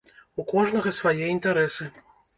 У кожнага свае інтарэсы.